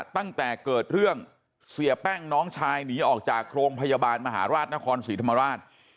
ตั้งแต่เกิดเรื่องเสียแป้งน้องชายหนีออกจากโรงพยาบาลมหาราชนครศรีธรรมราช